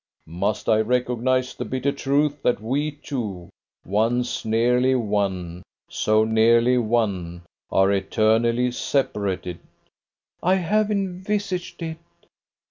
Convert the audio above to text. "Must I recognize the bitter truth that we two, once nearly one! so nearly one! are eternally separated?" "I have envisaged it.